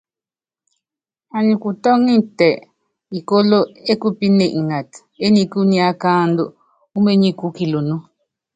Anyi kutɔ́ŋitɛ ikóló ékupíne ngata éniku ní akáandú uményikú kilunú.